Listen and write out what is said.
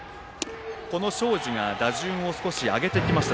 この東海林が打順を少し上げてきました。